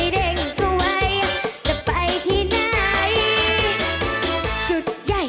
เดี๋ยวก็มาเองแหละ